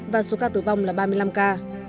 và số ca tử vong là ba mươi năm ca